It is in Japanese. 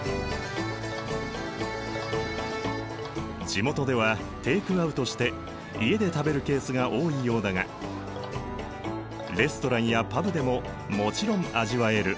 地元ではテイクアウトして家で食べるケースが多いようだがレストランやパブでももちろん味わえる。